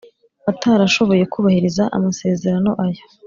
Atarashoboye kubahiriza amasezerano aya